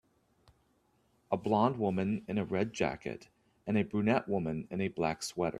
A blond woman in a red jacket and a brunette woman in a black sweater.